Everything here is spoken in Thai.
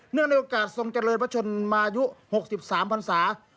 เนื่องในโอกาสทรงเจริญประชุมายุ๖๓พันธุ์ศาสตร์